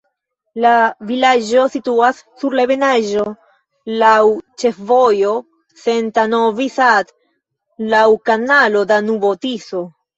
La vilaĝo situas sur ebenaĵo, laŭ ĉefvojo Senta-Novi Sad, laŭ kanalo Danubo-Tiso.